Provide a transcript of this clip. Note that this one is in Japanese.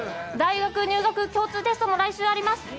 大学入学共通テストも来週あります。